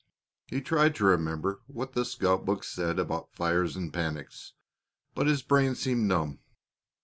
He tried to remember what the scout book said about fires and panics, but his brain seemed numb.